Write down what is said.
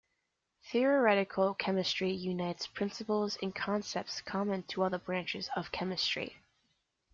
Theoretical chemistry unites principles and concepts common to all branches of chemistry.